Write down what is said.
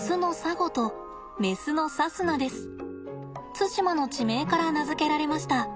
対馬の地名から名付けられました。